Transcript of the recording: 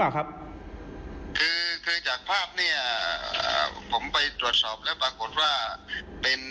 ครับคือคือจากภาพเนี่ยผมไปตรวจสอบแล้วปรากฏว่าเป็น